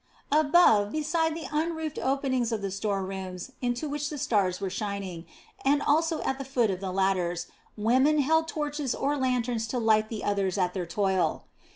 Above, beside the unroofed openings of the storerooms, into which the stars were shining, and also at the foot of the ladders, women held torches or lanterns to light the others at their toil.